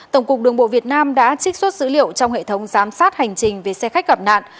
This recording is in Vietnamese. tổng cục đường bộ việt nam đã trích xuất dữ liệu trong hệ thống giám sát hành trình về xe khách gặp nạn